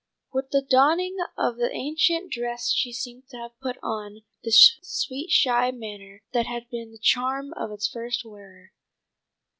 With the donning of the ancient dress she seemed to have put on the sweet shy manner that had been the charm of its first wearer.